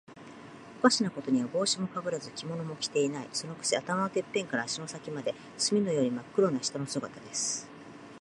おかしなことには、帽子もかぶらず、着物も着ていない。そのくせ、頭のてっぺんから足の先まで、墨のようにまっ黒な人の姿です。